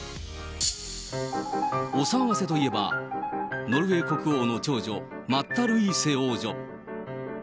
お騒がせといえば、ノルウェー国王の長女、マッタ・ルイーセ王女。